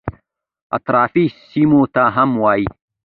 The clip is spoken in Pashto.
اطرافي سیمو ته هم وایي.